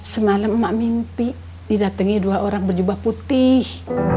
semalam mak mimpi didatangi dua orang berjubah putih